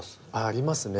ありますね。